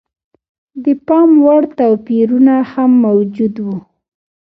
د پاموړ توپیرونه هم موجود و.